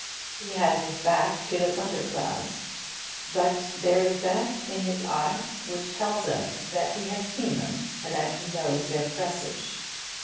He has his back to the thunderclouds, but there is that in his eyes which tells us that he has seen them, and that he knows their presage.